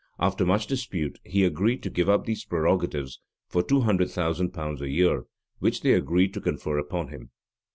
After much dispute, he agreed to give up these prerogatives for two hundred thousand pounds a year, which they agreed to confer upon him.